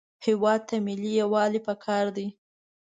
هېواد ته ملي یووالی پکار دی